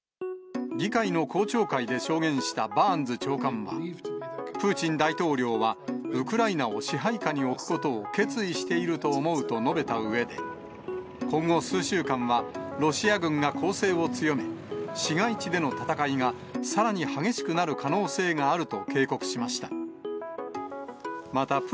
議会の公聴会で証言したバーンズ長官は、プーチン大統領はウクライナを支配下に置くことを決意していると思うと述べたうえで、今後、数週間はロシア軍が攻勢を強め、市街地での戦いがさらに激しくなる可能性があると警告しました。